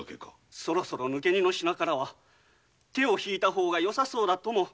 そろそろ抜け荷の品からは手をひいた方がよさそうだとも。